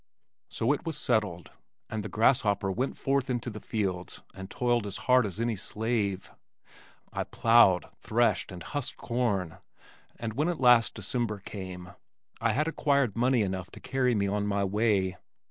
So it was settled, and the grasshopper went forth into the fields and toiled as hard as any slave. I plowed, threshed, and husked corn, and when at last December came, I had acquired money enough to carry me on my way.